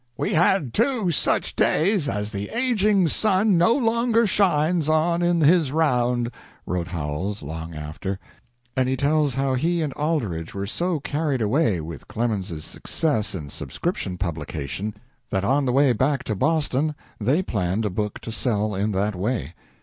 "We had two such days as the aging sun no longer shines on in his round," wrote Howells, long after, and he tells how he and Aldrich were so carried away with Clemens's success in subscription publication that on the way back to Boston they planned a book to sell in that way.